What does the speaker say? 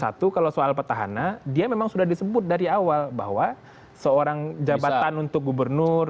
satu kalau soal petahana dia memang sudah disebut dari awal bahwa seorang jabatan untuk gubernur